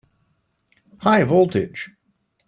High voltage!